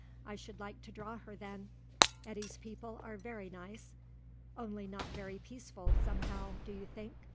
"I should like to draw her then. Eddy's people are very nice, only not very peaceful, somehow, do you think?